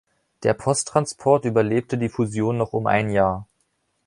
Der Posttransport überlebte die Fusion noch um ein Jahr.